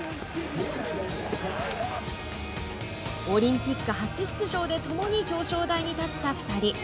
オリンピック初出場でともに表彰台に立った２人。